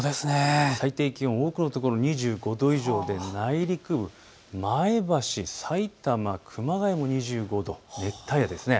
最低気温、多くの所２５度以上で内陸部、前橋、さいたま、熊谷も２５度、熱帯夜です。